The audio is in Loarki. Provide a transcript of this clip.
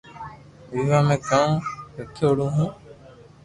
ويوا ۾ ڪاو رکيآوڙو ھي